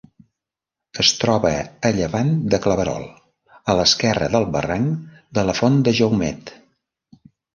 Es troba a llevant de Claverol, a l'esquerra del barranc de la Font de Jaumet.